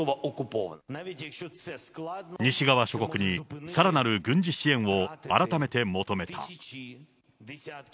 西側諸国にさらなる軍事支援を改めて求めた。